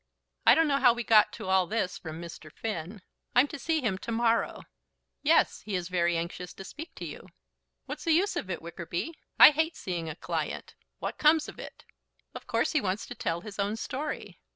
I don't know how we got to all this from Mr. Finn. I'm to see him to morrow." "Yes; he is very anxious to speak to you." "What's the use of it, Wickerby? I hate seeing a client. What comes of it?" "Of course he wants to tell his own story."